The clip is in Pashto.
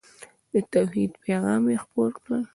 د توحید پیغام یې خپور کړ.